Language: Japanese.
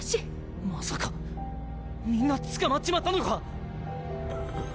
まさかみんな捕まっちまったのか⁉うぅ。